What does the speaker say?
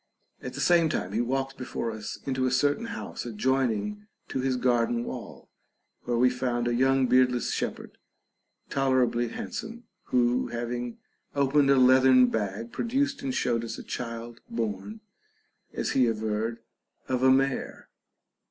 At the same time he walked before us into a certain house adjoining to his gar den wall, where we found a young beardless shepherd, tolerably handsome, who having opened a leathern bag produced and showed us a child born (as he averred) of a mare.